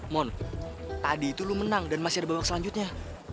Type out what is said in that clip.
mon tadi itu lu menang dan masih ada babak selanjutnya